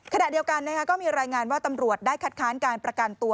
ขณะเดียวกันก็มีรายงานว่าตำรวจได้คัดค้านการประกันตัว